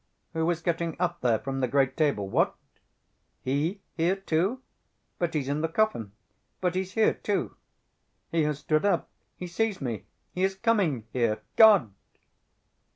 Who is getting up there from the great table? What!... He here, too? But he's in the coffin ... but he's here, too. He has stood up, he sees me, he is coming here.... God!"...